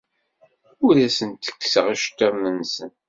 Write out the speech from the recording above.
Ur asen-ttekkseɣ iceḍḍiḍen-nsen.